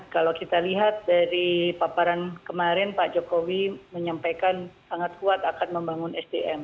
kalau kita lihat dari paparan kemarin pak jokowi menyampaikan sangat kuat akan membangun sdm